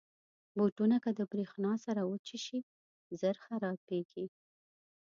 بوټونه که د برېښنا سره وچه شي، ژر خرابېږي.